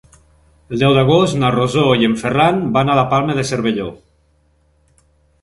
El deu d'agost na Rosó i en Ferran van a la Palma de Cervelló.